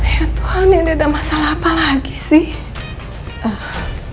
ya tuhan yang ada masalah apa lagi sih